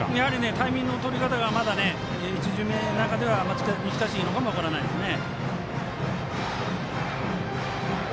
タイミングの取り方がまだ１巡目の中では難しいのかもしれませんね。